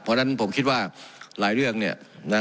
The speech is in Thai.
เพราะฉะนั้นผมคิดว่าหลายเรื่องเนี่ยนะ